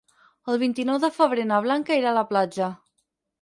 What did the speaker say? El vint-i-nou de febrer na Blanca irà a la platja.